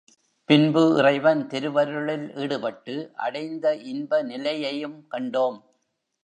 பின்பு இறைவன் திருவருளில் ஈடுபட்டு, அடைந்த இன்ப நிலையையும் கண்டோம்.